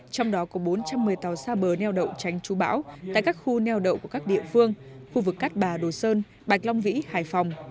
trong đó có bốn trăm một mươi tàu xa bờ neo đậu tránh chú bão tại các khu neo đậu của các địa phương khu vực cát bà đồ sơn bạch long vĩ hải phòng